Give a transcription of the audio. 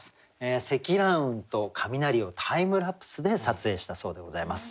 積乱雲と雷をタイムラプスで撮影したそうでございます。